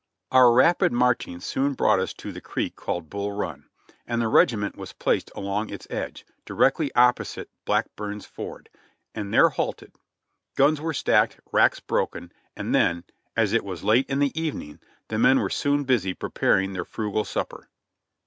Our rapid marching soon brought us to the creek called Bull Run, and the regiment was placed right along its edge, directly opposite Blackburn's Ford, and there halted ; guns were stacked, ranks broken, and then, as it was late in the evening, the men were soon busy preparing their frugal supper.